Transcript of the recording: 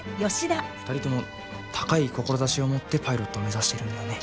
２人とも高い志を持ってパイロットを目指しているんだよね。